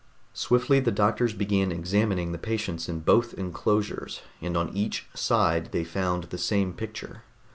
Swiftly the doctors began examining the patients in both enclosures, and on each side they found the same picture.